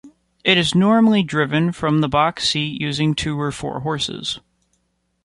It is normally driven from the box seat using two or four horses.